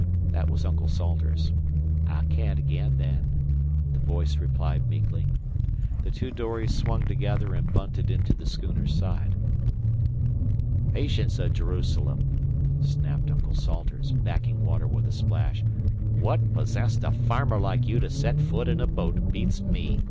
This was Uncle Salters. "I'll count again, then," the voice replied meekly. The two dories swung together and bunted into the schooner's side. "Patience o' Jerusalem!" snapped Uncle Salters, backing water with a splash. "What possest a farmer like you to set foot in a boat beats me.